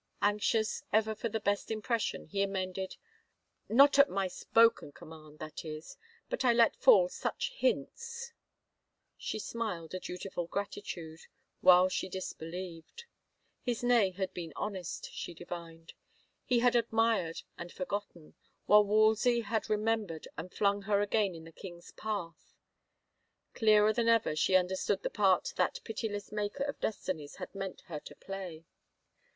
Anxious ever for the best impression, he amended, " Not at my spoken command, that is. But I let fall such hints —" She smiled a dutiful gratitude, while she disbelieved. His nay had been honest, she divined; he had admired and forgotten, while Wolsey had remembered and flung her again in the king's path. Clearer than ever she understood the part that pitiless maker of destinies had meant her to play.